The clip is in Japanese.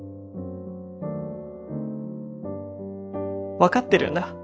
分かってるんだ。